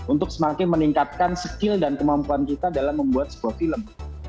untuk semakin meningkatkan skill dan kemampuan kita dalam membuat sebuah film